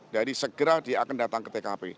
jadi segera dia akan datang ke tkp